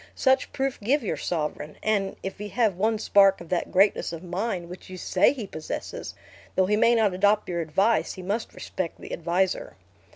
Such proof give your sovereign; and, if he have one spark of that greatness of mind which you say he possesses, though he may not adopt your advice, he must respect the adviser."